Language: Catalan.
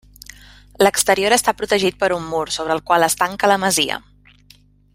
L'exterior està protegit per un mur sobre el qual es tanca la masia.